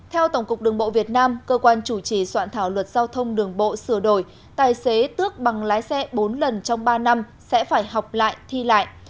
theo tổng cục đường bộ việt nam cơ quan chủ trì soạn thảo luật giao thông đường bộ sửa đổi tài xế tước bằng lái xe bốn lần trong ba năm sẽ phải học lại thi lại